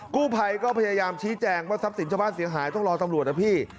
กู้ภัยก็พยายามชี้แจงว่าทรัพย์สินชาวบ้านเสียหายต้องรอตำรวจนะพี่